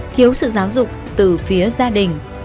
thiếu sự giáo dục từ phía gia đình